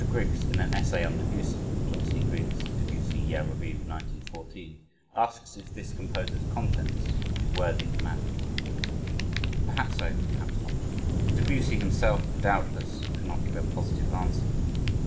Griggs in an Essay on Debussy, [John C. Griggs, "Debussy" Yale Review, 1914] asks if this composer's content is worthy the manner. Perhaps so, perhaps not Debussy himself, doubtless, could not give a positive answer.